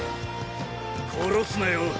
殺すなよ。